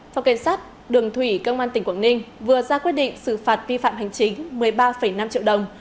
phòng cảnh sát đường thủy công an tỉnh quảng ninh vừa ra quyết định xử phạt vi phạm hành chính một mươi ba năm triệu đồng